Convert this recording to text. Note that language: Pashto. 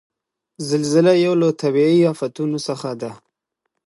زلزله یو له طبعیي آفتونو څخه ده.